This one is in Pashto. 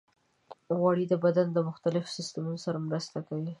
غوړې د بدن د مختلفو سیستمونو سره مرسته کوي.